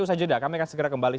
usaha jeda kami akan segera kembali